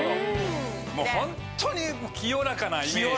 もうホントに清らかなイメージ。